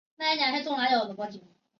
圣艾蒂安拉热内斯特。